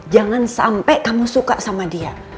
jangan sampai kamu suka sama dia